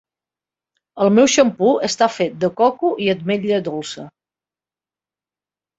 El meu xampú està fet de coco i ametlla dolça.